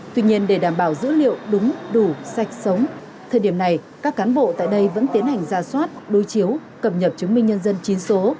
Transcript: tuy nhiên để đảm bảo dữ liệu đúng đủ sạch sống thời điểm này các cán bộ tại đây vẫn tiến hành ra soát đối chiếu cập nhật chứng minh nhân dân chín số